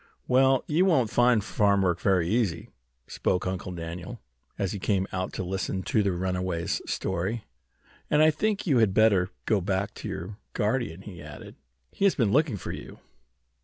"Well, you won't find farm work very easy," spoke Uncle Daniel, as he came out to listen to the runaway's story. "And I think you had better go back to your guardian," he added. "He has been looking for you."